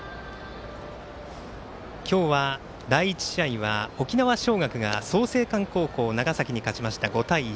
今日は第１試合は沖縄尚学が創成館高校、長崎に勝ちました５対１。